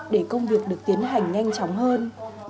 để công việc được tiến hành nhanh chóng hơn